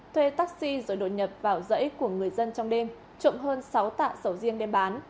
thuê taxi rồi đột nhập vào dãy của người dân trong đêm trộm hơn sáu tạ sầu riêng đem bán